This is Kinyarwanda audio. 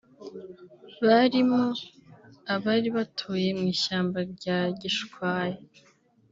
barimu abari batuye mu ishyamba rya Gishwayi